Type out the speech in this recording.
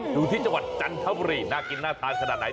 ดูที่จังหวัดจันทบุรีน่ากินน่าทานขนาดไหน